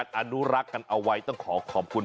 กดเป็นการอนุรักษ์การเอาไว้ต้องขอขอบคุณ